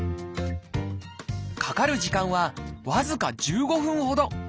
かかる時間は僅か１５分ほど。